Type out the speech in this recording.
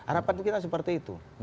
harapan kita seperti itu